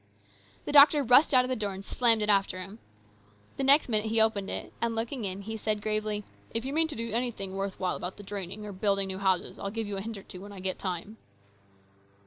The doctor rushed out of the door and slammed it after him. The next minute he opened it, and looking in, he said gravely, "If you mean to do anything worth while about the draining, or building new houses, I'll give you a hint or two when I get time."